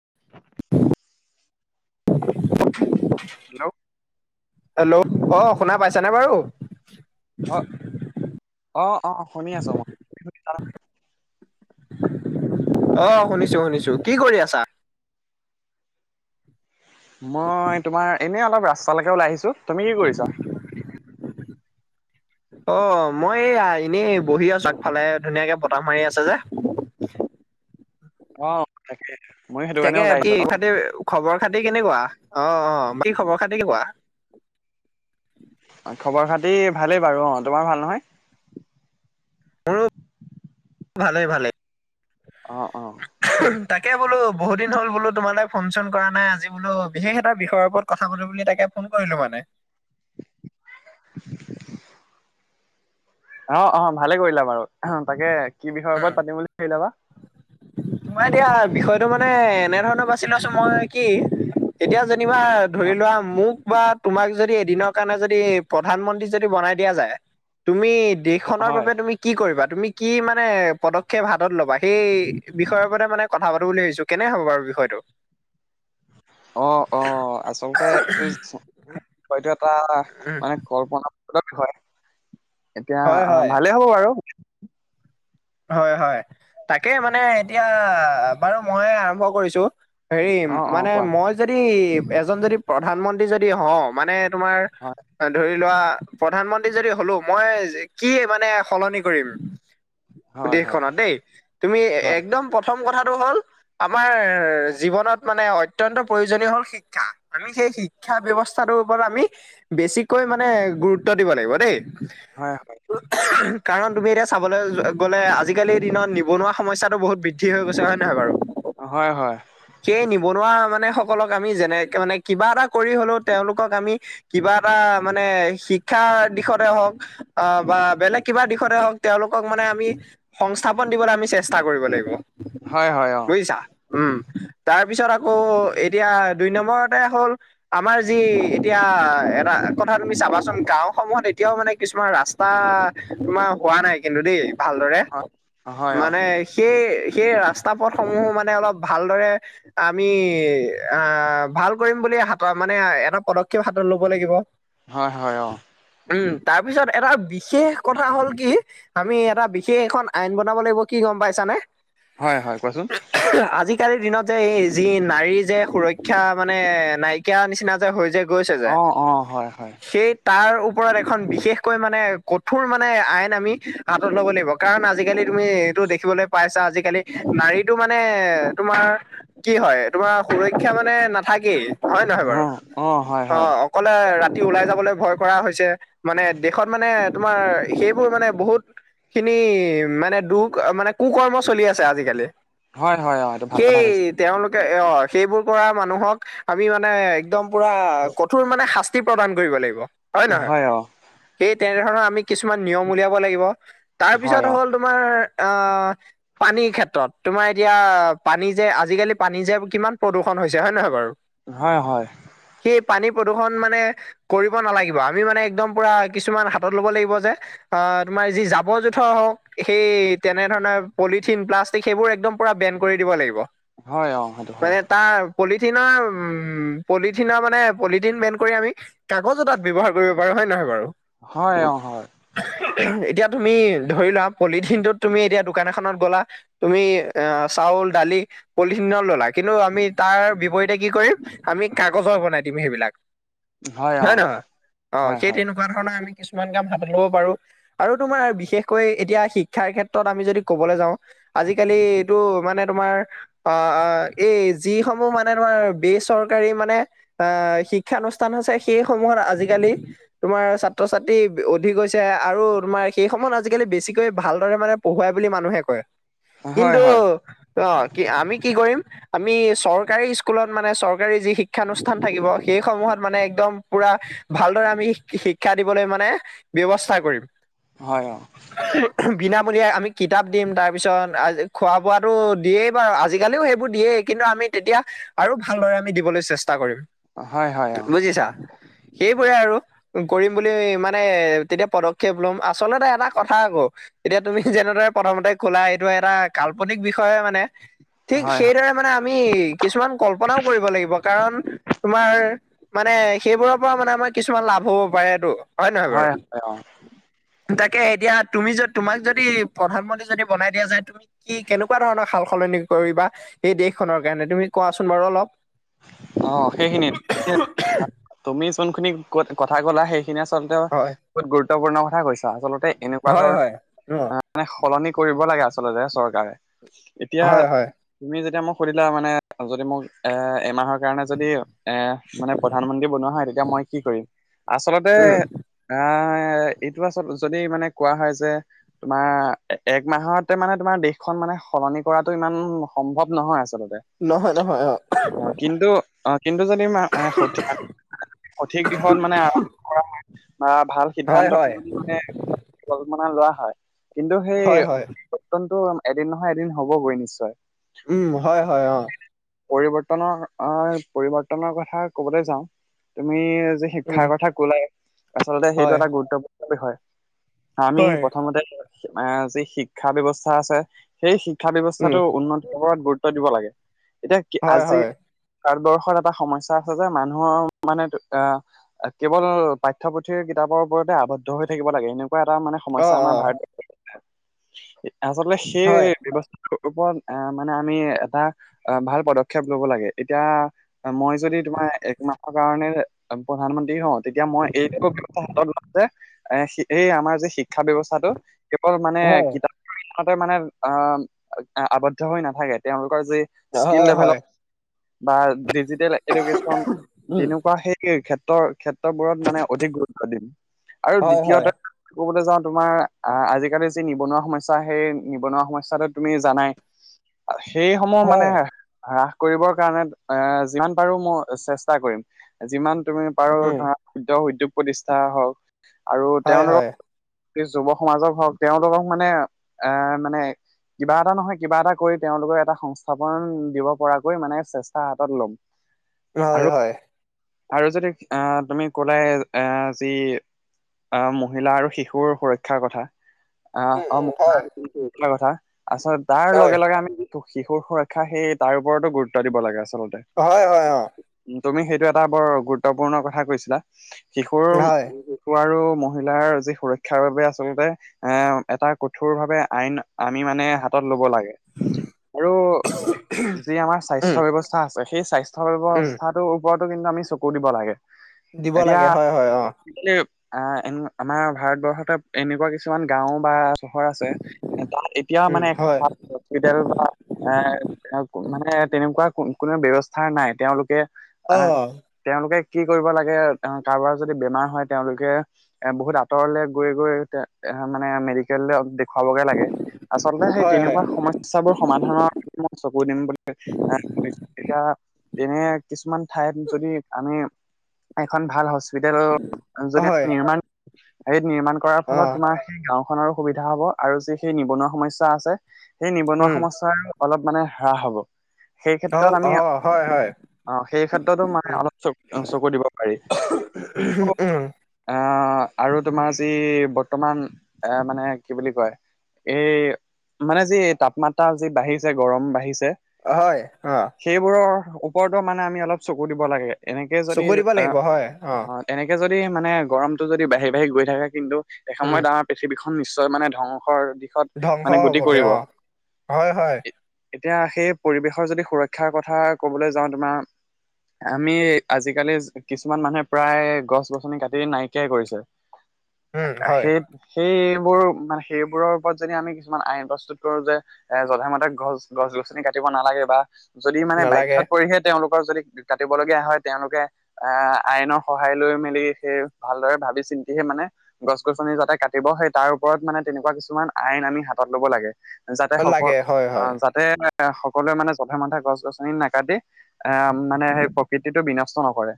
[inaudible] [inaudible] Hello. Hello অ শুনা পাইছানে বাৰু? অ অ অ শুনি আছোঁ মই। অ শুনিছোঁ শুনিছোঁ। কি কৰি আছা? মই তোমাৰ এনেই অলপ ৰাস্তালৈকে ওলাই আহিছোঁ। তুমি কি কৰিছা? অ মই এই এনেই বহি আছোঁ আগফালে ধুনীয়াকে বতাহ মাৰি আছে যে। অ ময়ো সেইটো তাকে কাৰণে ওলাই বাকী আহিছোঁ অলপ। খাতি খবৰ খাতি কেনেকুৱা? অ অ। কি খবৰ খাতি কোৱা? খবৰ খাতি ভালেই বাৰু অ। তোমাৰ ভাল নহয়? মোৰো ভালেই ভালেই। অ অ। তাকে বোলোঁ বহুত দিন হ'ল বোলোঁ তোমালৈ ফোন চোন কৰা নাই আজি বোলোঁ বিশেষ এটা বিষয়ৰ ওপৰত কথা পাতোঁ বুলি তাকে ফোন কৰিলোঁ মানে। [unintelligible] অ অ ভালে কৰিলা বাৰু অ তাকে। কি বিষয়ৰ উম ওপৰত পাতিম বুলি ভাবিলা বা এইটো মানে এনে ধৰণৰ বাছি লৈছো মই কি এতিয়া যেনিবা অ ধৰি লোৱা মোক বা তোমাক যদি এদিনৰ কাৰণে যদি প্ৰধানমন্ত্ৰী যদি বনাই দিয়া যায় তুমি অ দেশখনৰ হয় বাবে তুমি কি কৰিবা তুমি কি মানে মানে পদক্ষেপ হাতত ল'বা সেই বিষয়ৰ ওপৰত মানে কথা পাতোঁ বুলি ভাবিছোঁ কেনে হ'ব বাৰু বিষয়টো? [inaudible] অ', অ' আচলতে [unintelligible] এইটো এটা উম মানে কল্পনা [unintelligible] এতিয়া হয় আ, হয় ভালেই হ'ব বাৰু। হয় হয়, তাকে মানে এতিয়া বাৰু ময়ে আৰম্ভ কৰিছোঁ। হেৰি, অ অ মানে কোৱা মই যদি এজন যদি প্ৰধানমন্ত্ৰী যদি হওঁ মানে তোমাৰ হয়। ধৰি লোৱা প্ৰধানমন্ত্ৰী যদি হলোঁ, মই কি মানে সলনি কৰিম? হয় হয় দেশখনত দেই। তুমি হয় একদম প্ৰথম কথাটো হ'ল আমাৰ জীৱনত মানে অত্যন্ত প্ৰয়োজনীয় হ'ল শিক্ষা, আমি সেই শিক ক্ষা ব্যৱস্থাটোৰ ওপৰত আমি বেছিকৈ মানে গুৰুত্ব দিব লাগিব দেই। হয় হয়। কাৰণ তুমি এতিয়া চাবলৈ যো গলে আজিকালিৰ দিনত নিবনুৱা সমস্যাটো বহুত বৃদ্ধি হৈ গৈছে হয় নে নহয় বাৰু? হয় হয়। সেই নিবনুৱা মানে সকলক আমি যেনেকে মানে, কিবা এটা কৰি হ'লেও তেওঁলোকক আমি কিবা এটা মানে শিক্ষাৰ দিশতে হওক অ' বা বেলেগ কিবা দিশতে হওক তেওঁলোকক মানে আমি সংস্থাপন দিবলৈ আমি চেষ্টা কৰিব লাগিব হয় হয় হয় হয় অ বুজিছা? উম। তাৰপিছত আকৌ এতিয়া দুই নম্বৰতে হ'ল আমাৰ যি এতিয়া, এটা কথা তুমি চাবাচোন গাঁৱসমূহত এতিয়াও মানে কিছুমান ৰাচ টা তোমাৰ হোৱা নাই কিন্তু দেই ভালদৰে, হয় হয় অ মানে সেই সেই ৰাস্তা পথসমূহো মানে অলপ ভালদৰে আমি আ, ভাল কৰিম বুলি হাত মানে এটা পদক্ষেপ হাতত ল'ব লাগিব। হয় হয় অ'। উম, তাৰপিছত এটা বিশেষ কথা হ'ল কি আমি এটা বিশেষ এখন আইন বনাব লাগিব কি গম পাইছানে? হয় হয় কোৱাছোন। কালিৰ দিনত যে এই যি নাৰী যে সুৰক্ষা মানে নাইকিয়া নিচিনা যে হৈ যায় গৈছে যে অ অ হয় হয় সেই তাৰ ওপৰত এখন বিশেষকৈ মানে কঠোৰ মানে আইন আমি হা তত ল'ব লাগিব কাৰণ আজিকালি তুমি এইটো দেখিবলৈ পাইছা আজিকালি, নাৰীটো মানে তোমাৰ কি হয় তোমাৰ সুৰক্ষা মানে নাথাকেই হয় নহয় অ বাৰু? অ হয় হয় অ' অকলে ৰাতি তি ওলাই যাবলৈ ভয় কৰা হৈছে, মানে দেশত মানে তোমাৰ সেইবোৰ মানে বহুত খিনি মানে দুখ মানে কু কৰ্ম চলি আছে আজিকালি। হয় হয় অ এইটো ভাল কথা সেই কৈছে তেওঁলোকে, অ' সেইবোৰ কৰা মানুহক আমি মানে একদম পূৰা কঠোৰ মানে শাস্তি প্ৰদান কৰিব লাগিব হয় নহয়? সেই তেনেধৰণৰ আমি কিছুমান নিয়ম উলিয়াব লাগিব, হয় তাৰপিছত অ হ'ল তোমাৰ আ পানীৰ ক্ষেত্ৰত, তোমাৰ এতিয়া পানী যে আজিকালি পানী যে কিমান প্ৰদূষণ হৈছে হয় নহয় বাৰু? হয় হয়। সেই পানী প্ৰদূৰ্ষণ মানে কৰিব নালাগিব। আমি মানে একদম পুৰা কিছুমান হাতত লব লাগিব যে আ, তোমাৰ যি জা বৰ জোথৰ হওক, সেই তেনেধৰণে পলিথিন, প্লাষ্টিক সেইবোৰ একদম পুৰা বেন কৰি দিব লাগিব। হয় অ সেইটো মানে হয় তাৰ পলিথিনৰ উ, পলিথিনৰ মানে পলিথিন বেন কৰি আমি কাগজো তাত ব্যৱহাৰ কৰিব পাৰোঁ। হয় নে নহয় বাৰু? হয় অ' হয়। এতিয়া তুমি, ধৰি লোৱা, পলিথিনটোত তুমি এতিয়া, দোকান এখনত গ'লা। তুমি এ, চাউল-দালি পলিথিনত ল'লা। কিন্তু, আমি তাৰ বিপৰীতে কি কৰিম! আমি কাগজৰ বনাই দিম, সেইবিলাক। হয় নহয়? অ'! হয় সেই হয় তেনে তেনেকুৱা ধৰণৰ, আমি কিছুমান কাম হাতত ল'ব পাৰোঁ। আৰু তোমাৰ বিশেষকৈ, এতিয়া শিক্ষাৰ ক্ষেত্ৰত আমি যদি ক'বলৈ যাওঁ! আজিকালি, এইটো মানে তোমাৰ অ'! এই, যিসমূহ মানে, তোমাৰ বেচৰকাৰী মানে, আঁ শিক্ষানুষ্ঠান আছে। সেইসমূহত আজিকালি তোমাৰ ছাত্ৰ-ছাত্ৰী অধিক হৈছে। আৰু তোমাৰ সেই সময়ত, আজিকালি বেছিকৈ ভালদৰে মানে, পঢ়োৱাই বুলি মানুহে কয়! হয় হয় কিন্তু, হয় অ'! কি আমি কি কৰিম? আমি, চৰকাৰী স্কুলত মানে, চৰকাৰী যি শিক্ষানুষ্ঠান থাকিব। সেইসমূহত মানে, একদম পূৰা ভালদৰে আমি, শিক্ষা দিবলৈ মানে, ব্যৱস্থা কৰিম। হয়, অ'! বিনামলীয়াই আমি কিতাপ দিম। তাৰ পিছত, [unintelligible] খোৱা-বোৱাটো দিয়েই। আজিকালিও সেইবোৰ দিয়েই। কিন্তু, আমি তেতিয়া আৰু ভালদৰে আমি দিবলৈ চেষ্টা কৰিম। অ হয় হয় অ বুজিছা? সেইবোৰে আৰু! কৰিম বুলি মানে, তেতিয়া পদক্ষেপ ল'ম। আচলতে, এটা কথা আকৌ! এতিয়া, তুমি যেনেদৰে প্ৰথমতে ক'লা, এইটো এটা কাল্পনিক বিষয় মানে। হয় ঠিক হয় সেইদৰে মানে, আমি কিছুমান কল্পনাও কৰিব লাগিব। কাৰণ, তোমাৰ মানে, সেইবোৰৰ পৰা মানে, আমাৰ কিছুমান লাভ হ'ব পাৰেতো। নহয় বাৰু? হয়, হয়, অ'! তাকে, এতিয়া তুমি, য তোমাক যদি, প্ৰধানমন্ত্ৰী যদি বনাই দিয়া যায়, তুমি কি, কেনেকুৱা ধৰণৰ সাল-সলনি কৰিবা, এই দেশখনৰ কাৰণে, তুমি কোৱাচোন বাৰু অলপ? অ'! সেইখিনি, তুমি যোন খিনি ক কথা ক'লা, সেই সেই খিনি আচলতে, হয় বহুত গুৰুত্বপূৰ্ণ কথা কৈছা! আচলতে, এনেকুৱা হয় ধৰণৰ হয় উম মানে, সলনি কৰিব লাগে, আচলতে চৰকাৰে। এতিয়া, হয় হয় তুমি যেতিয়া মোক সুধিলা! মানে, যদি মোক এ, এমাহৰ কাৰণে, যদি এ, মানে প্ৰধানমন্ত্ৰী বনোৱা হয়, তেতিয়া মই কি কৰিম! আচলতে, উম [unintelligible] এইটো আচল, যদি মানে, কোৱা হয় যে, তোমাৰ, এক মাহতে মানে, তোমাৰ দেশখন মানে, সলনি কৰাটো ইমান সম্ভৱ নহয়, আচলতে! নহয়- নহয়, অ'! অ'! কিন্তু, অ'! কিন্তু যদি, [unintelligible] সঠিক দিশত মানে, আৰম্ভ কৰা হয় বা ভাল! হয় হয় সিদ্ধান্তটো মানে, কল্পনা লোৱা হয়! কিন্তু, সেই হয় হয় [unintelligible] এদিন নহয়, এদিন হ'বগৈ নিশ্চয়! উম, হয়, হয়, অ'! পৰিৱৰ্তনৰ আঁ পৰিৱৰ্তনৰ কথা ক'বলৈ যাওঁ, তুমি যে, উম শিক্ষাৰ কথা ক'লাই! আচলতে, সেইটো হয় এটা গুৰুত্বপূৰ্ণ বিষয়। আমি হয় প্ৰথমতে, এ, যি শিক্ষা ব্যৱস্থা আছে। সেই, শিক্ষা উম ব্যৱস্থাটো উন্নত ওপৰত গুৰুত্ব দিব লাগে। এতিয়া, কি হয় আজি হয় ভাৰতবৰ্ষত এটা সমস্যা আছে যে! মানুহৰ মানে, আঁ কেৱল পাঠ্যপুথিৰ কিতাপৰ ওপৰতে, আৱদ্ধ হৈ থাকিব লাগে। এনেকুৱা এটা মানে, অ সমস্যা! অ আমাৰ ভাৰত [unintelligible] আচলতে, হয় সেই ব্যৱস্থা ওপৰত অ মানে আমি এটা ভাল পদক্ষেপ লব লাগে। এতিয়া মই যদি তোমাৰ একমাহ কাৰণে প্ৰধানমন্ত্ৰী হওঁ তেতিয়া মই এই তে এ এই আমাৰ যে শিক্ষা ব্যৱস্থাটো কেৱল মানে হয় কিতাপতে মানে অ আৱদ্ধ হৈ নাথাকে, তেওঁলোকৰ যি- স্কিল হয় হয়। ডেভেলপ বা ডিজিটেল এডুকেশ্যন, উম তেনেকুৱা সেই ক্ষেত্ৰৰ ক্ষেত্ৰ- বোৰত মানে অধিক গুৰুত্ব দিম। আৰু হয় হয় দ্বিতীয়তে- ক'বলৈ যাও তোমাৰ আ আজিকালি যি নিবনুৱা সমস্যা সেই নিবনুৱা সমস্যাটো তুমি জানাই। [inaudible] সেই সমূহ মানে হয় আহ কৰিবৰ কাৰণে এ যিমান পাৰো মোৰ চেষ্টা কৰিম। যিমান তুমি পাৰো উম ধৰা- ক্ষুদ্ৰ উদ্যোগ প্ৰতিষ্ঠা হওক আৰু হয় তেওঁলোকৰ- হয় গোতেই যুৱ সমাজক হওক। তেওঁলোকক মানে আহ মানে কিবা এটা নহয় কিবা এটা কৰি তেওঁলোকৰ এটা সংস্থাপন দিব পৰা- কৈ মানে চেষ্টা হাতত ল'ম। হয় আৰু হয়। আৰু যদি আহ তুমি কলাই আহ যি অ মহিলা আৰু শিশুৰ সুৰক্ষাৰ কথা। উম আহ উম হয় [unintelligible] কথা আত তাৰ হয় লগে লগে আমি ত শিশুৰ সুৰক্ষা সেই তাৰ ওপৰতো গুৰুত্ব দিব লাগে আচলতে। হয় হয়। তুমি সেইটো এটা বৰ গুৰুত্বপূৰ্ণ কথা কৈছিলা। শিশুৰ- হয় শিশু আৰু মহিলাৰ যি সুৰক্ষাৰ বাবে আচলতে- এ এটা কঠোৰ ভাৱে আইন আমি মানে হাতত লব লাগে। আৰু যি আমাৰ উম স্বাস্থ্য ব্যৱস্থা আছে, সেই স্বাস্থ্য উম ব্যৱস্থাটোৰ ওপৰতো কিন্তু আমি চকু দিব লাগে। দিব লাগে হয় হয় অ। কি আহ এ আমাৰ ভাৰতবৰ্ষতে এনেকুৱা কিছুমান গাঁও বা চহৰ আছে। ত এতিয়া উম মানে হয় হস্পিতেল বা এ [unintelligible] মানে তেনেকুৱা কোনো ব্যৱস্থা নাই তেওঁলোকে অ আহ তেওঁলোকে কি কৰিব লাগে কাৰোবাৰ যদি বেমাৰ হয় তেওঁলোকে এ বহুত আঁতৰলে গৈ গৈ এ মানে মেডিকেললৈ দেখুৱাবগে লাগে। আচলতে সেই হয় হয় তেনেকুৱা সমস্যাবোৰ সমাধানৰ- চকু দিম বুলিলে এতিয়া তেনে কিছুমান ঠাইত যদি আমি এখন ভাল হস্পিতেল- যদি হয় আমি নিৰ্মাণ হেৰি নিৰ্মাণ কৰাৰ অ ফলত তোমাৰ, সেই গাঁওখনৰো সুবিধা হব আৰু যি সেই নিবনুৱা সমস্যা আছে, সেই নিবনুৱা উম সমস্যাৰ অলপ- মানে হ্ৰাস হ'ব। সেই অ ক্ষেত্ৰত আমি অ হয় হ অ সেই ক্ষেত্ৰতো মানে অলপ চ চকু দিব পাৰি। উম আহ আৰু তোমাৰ যি বৰ্তমান এ মানে কি বুলি কয়? এই মানে যি তাপমাত্ৰা যি বাঢ়িছে, গৰম বাঢ়িছে হয় অ সেইবোৰৰ ওপৰতো মানে আমি অলপ চকু দিব লাগে। এনেকে যদি চকু দিব লাগিব হয় অ এনেকে যদি মানে গৰমটো যদি বাঢ়ি বাঢ়ি গৈ থাকে, কিন্তু উম এসময়ত পৃথিৱীখন নিশ্চয় মানে ধ্বংসৰ দিশত ধ্বংস মানে গতি হবগে কৰিব। অ হয় হয়। এতিয়া সেই পৰিৱেশৰ যদি সুৰক্ষাৰ কথা কবলৈ যাওঁ তোমাৰ আমি আজিকালি কিছুমান মানুহে প্ৰায় গছ -গছনি কাটি নাইকিয়াই কৰিছে। [unintelligible] হয় সেই সেইবোৰ মানে সেইবোৰৰ ওপৰত যদি আমি কিছুমান আইন প্ৰস্তুত কৰো যে এ যধে মধে গছ গছ-গছনি কাটিব নালাগে বা যদি মানে নালাগে বাধ্যত পৰিহে তেওঁলোকৰ যদি কাটিবলগীয়া হয় তেওঁলোকে আহ আইনৰ সহায় লৈ মেলি সেই ভালদৰে ভাবি চিন্তিহে মানে গছ-গছনি যাতে কাটিব সেই তাৰ ওপৰত মানে তেনেকুৱা কিছুমান আইন আমি হাতত ল'ব লাগে। যাতে সক লাগে হয় হয় আহ যাতে সকলোৱে মানে যধে মধে গছ -গছনি নাকাটি এ মানে সেই প্ৰকৃতিটো বিনষ্ট নকৰে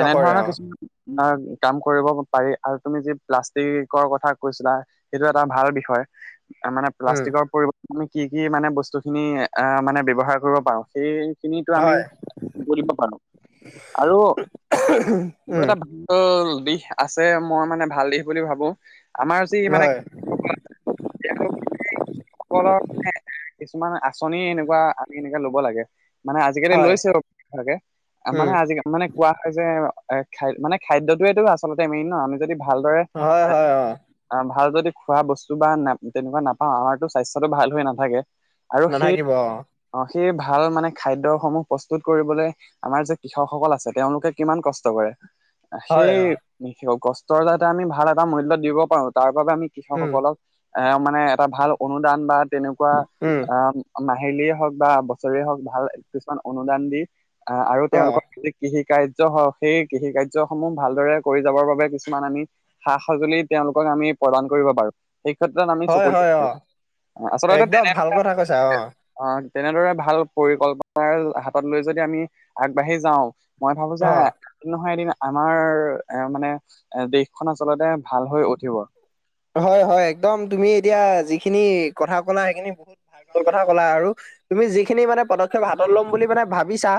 নকৰে অ কিছু কাম কৰিব পাৰি আৰু তুমি যি প্লাষ্টিকৰ কথা কৈছিলা সেইটো এটা ভাল বিষয়, মানে উম প্লাষ্টিকৰ পৰিৱৰ্তে নো কি কি মানে বস্তু খিনি আহ মানে ব্যৱহাৰ কৰিব পাৰো সেই খিনিতো আমি হয় কৰিব পাৰোঁ আৰু মোৰ উম এটা ভাল দিশ আছে মই মানে ভাল দিশ বুলি ভাবো, আমাৰ যি মানে হয় তেওঁলোক সকলৰ [unintelligible] কিছুমান আঁচনি এনেকুৱা আমি এনেকে ল'ব লাগে। মানে আজিকালি হয় লৈছেকে উম, মানে [unintelligible] আজিকালি মানে কোৱা হয় যে এ খ মানে খাদ্যটোয়েইটো আচলতে সেইটোৱে মেইন ন আমি যদি ভালদৰে হয়, এ হয়, অ'। ভাল যদি খোৱা বস্তু বা ন তেনেকুৱা নাপাওঁ আমাৰতো স্বাস্থ্যটো ভাল হৈ নাথাকে। আৰু সেই নাথাকিব অ', সেই ভাল মানে খাদ্যসমূহ প্ৰস্তুত কৰিবলে আমাৰ যে কৃষকসকল আছে তেওঁলোকে কিমান কষ্ট কৰে। হয়, সেই অ', কষ্টৰ যাতে আমি ভাল এটা মূল্য দিব পাৰো তাৰ বাবে আমি উম, কৃষকসকলক এ মানে এটা ভাল অনুদান বা তেনেকুৱা উম, আহ মাহিলীয়ে হওক বা বছৰে হওক ভাল কিছুমান অনুদান দি আহ আৰু অ', তেওঁলোকৰ কৃষিকাৰ্য হ সেই কৃষিকাৰ্য সমূহ ভালদৰে কৰি যাবৰ বাবে কিছুমান আমি সা-সজুলি তেওঁলোকক আমি প্ৰদান কৰিব পাৰো সেই ক্ষেত্ৰত আমি হয়, চকৰি হয়, পো অ'। একদম ভাল কথা কৈছা অৱ। আহ তেনেদৰে ভাল পৰিকল্পনাৰ হাতত লৈ যদি আমি আগবাঢ়ি যাওঁ। মই ভাবো যে অ', এদিন নহয় এদিন আমাৰ এ মানে এ দেশখন আচলতে ভাল হৈ উঠিব। হয় হয় একদম তুমি এতিয়া যিখিনি কথা কলা সেইখিনি বহুত মোৰ কথা ক'লা আৰু তুমি যিখিনি মানে পদক্ষেপ হাতত লম বুলি মানে ভাবিছা।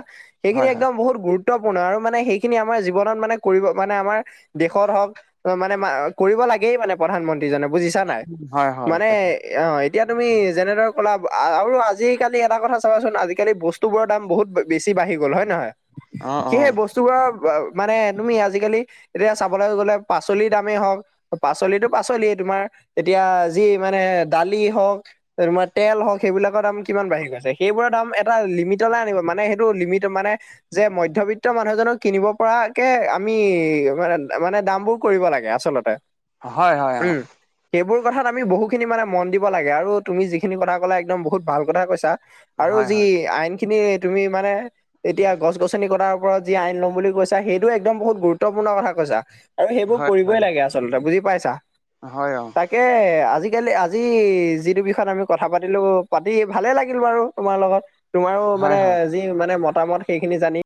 সেইখিনি হয় হয়। একদম বহুত গুৰুত্বপূৰ্ণ আৰু মানে সেইখিনি আমাৰ জীৱনত মানে কৰিব মানে আমাৰ দেশত হওঁক। অ মানে কৰিব লাগেই মানে প্ৰধানমন্ত্ৰীজনে বুজিছা নাই। হয় হয় মানে তাকে অৱ এতিয়া তুমি যেনেদৰে ক'লা আৰু আজিকালি এটা কথা চাবাচোন আজিকালি বস্তু বস্তুবোৰৰ দাম বহুত বেছি বাঢ়ি গ'ল হয় নে নহয়? অ অ সেয়েহে বস্তু বস্তুবোৰৰ মানে তুমি আজিকালি এতিয়া চাবলৈ গ'লে পাঁচলি দামেই হওক পাঁচলিটো পাচলি তোমাৰ এতিয়া যি মানে দালি হওক তোমাৰ তেল হওক সেইবিলাকৰ দাম কিমান বাঢ়ি গৈছে সেইবোৰৰ দাম এটা লিমিটলৈ আনিব মানে সেইটো লিমিট মানে যে মধ্যবিত্ত মানুহজনক কিনিব পৰাকে আমি মানে মানে দাম বোৰ কৰিব লাগে আচলতে। হয় হয় অ উম সেইবোৰ কথাত আমি বহুখিনি মানে মন দিব লাগে আৰু তুমি যিখিনি কথা কলা একদম বহুত ভাল কথা কৈছা। আৰু হয় যি হয় আইনখিনি তুমি মানে এতিয়া গছ গছনি কটা ওপৰত যি আইন লম বুলি কৈছা সেইটো একদম বহুত গুৰুত্বপূৰ্ণ কথা কৈছা আৰু সেইবোৰ হয় হয় কৰিবই লাগে আচ আচলতে বুজি পাইছা হয় অ তাকে আজিকালি আজি যিটো বিষয়ত আমি কথা পাতিলো পাতি ভালে লাগিল বাৰু তোমাৰ লগত। তোমাৰো হয় মানে হয়। যি মানে মতামত সেইখিনি জানি